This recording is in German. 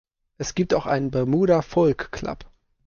Es gibt auch einen Bermuda Folk Club.